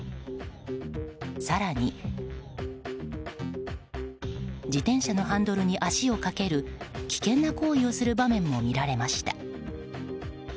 更に、自転車のハンドルに足をかける危険な行為をする場面も見られました。